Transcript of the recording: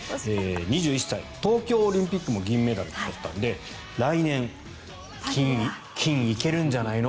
２１歳、東京オリンピックも銀メダルだったので来年、金いけるんじゃないの？